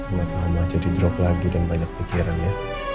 buat mama jadi drop lagi dan banyak pikiran ya